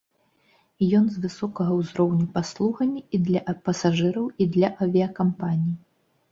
Ён з высокага ўзроўню паслугамі і для пасажыраў, і для авіякампаній.